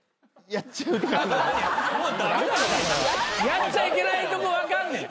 やっちゃいけないとこはあかんねん。